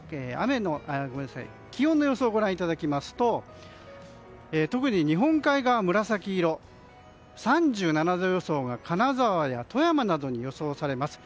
気温の予想をご覧いただきますと特に日本海側、紫色３７度予想が金沢や富山などに予想されます。